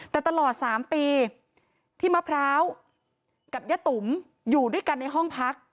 แต่ตลอด๓ปีที่มะพร้าวกับยะตุ๋มอยู่ด้วยกันในห้องพัก